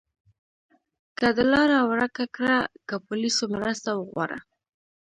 که د لاره ورکه کړه، له پولیسو مرسته وغواړه.